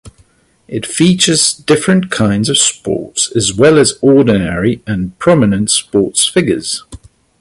It features different kinds of sports, as well as ordinary and prominent sports figures.